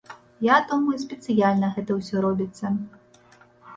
Я думаю, спецыяльна гэта ўсё робіцца.